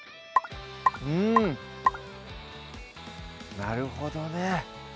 うんなるほどね